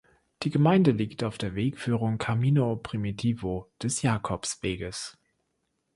Die Gemeinde liegt auf der Wegführung Camino Primitivo des Jakobsweges.